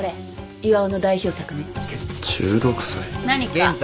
何か？